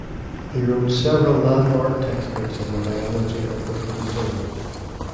He wrote several landmark textbooks on the biology of the protozoa.